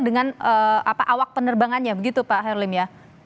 dengan awak penerbangannya begitu pak herlim ya